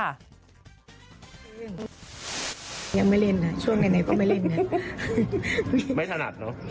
ยังไม่เล่นนะช่วงไหนก็ไม่เล่นนะไม่ถนัดเนอะ